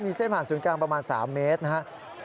เส้นผ่านศูนย์กลางประมาณ๓เมตรนะครับ